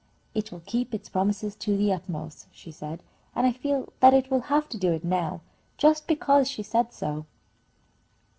'It will keep its promises to the utmost,' she said, and I feel that it will have to do it now, just because she said so."